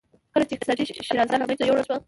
کله چې اقتصادي شیرازه له منځه یووړل شوه.